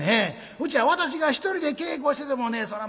うちは私が一人で稽古しててもねそら